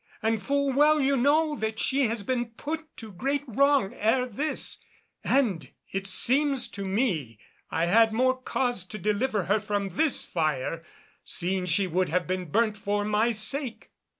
And full well you know that she has been put to great wrong ere this, and it seems to me I had more cause to deliver her from this fire, seeing she would have been burnt for my sake."